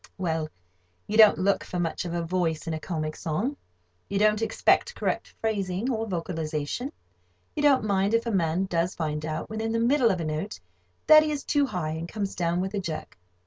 Well, you don't look for much of a voice in a comic song. You don't expect correct phrasing or vocalization. You don't mind if a man does find out, when in the middle of a note, that he is too high, and comes down with a jerk.